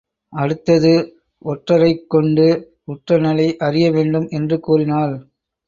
அடுத்தது ஒற்றரைக் கொண்டு உற்றநிலை அறிய வேண்டும் என்று கூறினாள்.